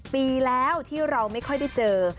ปีแล้วที่เราไม่ค่อยได้เจอ